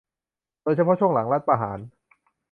โดยเฉพาะช่วงหลังรัฐประหาร